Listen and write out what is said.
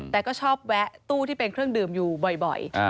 แต่ก็ชอบแวะตู้ที่เป็นเครื่องดื่มอยู่บ่อย